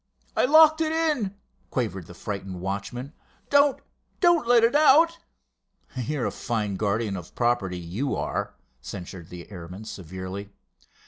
"I locked it in," quavered the frightened watchman. "Don't—don't let it out!" "You're a fine guardian of property, you are," censured the airman, severely.